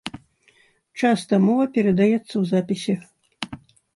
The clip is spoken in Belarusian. Часта мова перадаецца ў запісе.